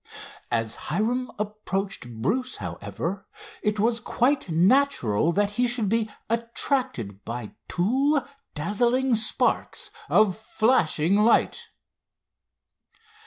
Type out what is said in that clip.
As Hiram approached Bruce, however, it was quite natural that he should be attracted by two dazzling sparks of flashing light.